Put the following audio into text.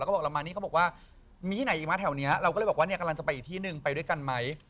แล้วก็บอกเรามานี่เขาบอกว่ามีที่ไหนอีกวะแถวนี้เราก็เลยบอกว่าเนี่ยกำลังจะไปอีกที่หนึ่งไปด้วยกันไหม